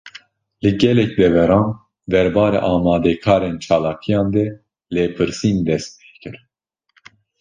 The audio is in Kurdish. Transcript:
Li gelek deveran, derbarê amadekarên çalakiyan de lêpirsîn dest pê kir